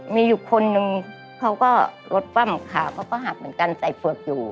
มีอยู่คนนึงเขาก็รถปั้มขาเขาก็หักเหมือนกันใส่เฝือกอยู่